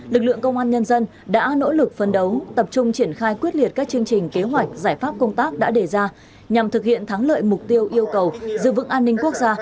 lực lượng công an nhân dân đã nỗ lực phân đấu tập trung triển khai quyết liệt các chương trình kế hoạch giải pháp công tác đã đề ra nhằm thực hiện thắng lợi mục tiêu yêu cầu giữ vững an ninh quốc gia